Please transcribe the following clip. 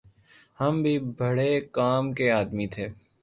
ہم بھی بھڑے کام کے آدمی تھے